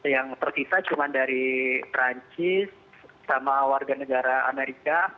yang tercita cuma dari perancis sama warga negara amerika